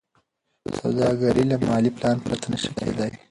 سوداګري له مالي پلان پرته نشي کېدای.